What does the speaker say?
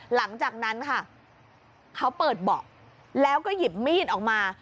หลังจากนั้นค่ะเขาเปิดเบาะแล้วก็หยิบมีดออกมา